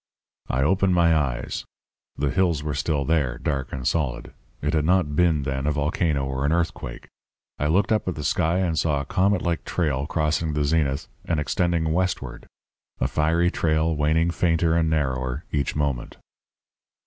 "I opened my eyes. The hills were still there, dark and solid. It had not been, then, a volcano or an earthquake. I looked up at the sky and saw a comet like trail crossing the zenith and extending westward a fiery trail waning fainter and narrower each moment.